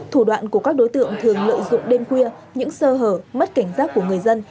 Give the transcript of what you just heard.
thủ đoạn của các đối tượng thường lợi dụng đêm khuya những sơ hở mất cảnh giác của người dân